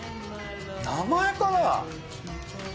名前かな？